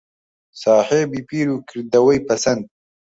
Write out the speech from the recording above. ساحێبی بیر و کردەوەی پەسەند